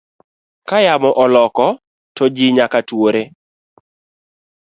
Kayamo oloko to ji nyaka tuore.